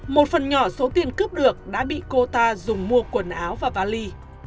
một phần nhỏ số tiền cướp được đã bị cô ta dùng mua quần áo và vali